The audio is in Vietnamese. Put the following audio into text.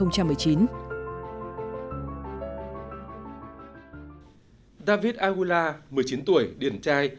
david aguila một mươi chín tuổi điển trai